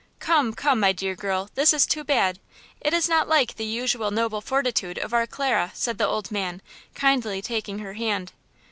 "Come, come, my dear girl, this is too bad! It is not like the usual noble fortitude of our Clara," said the old man, kindly taking her hand.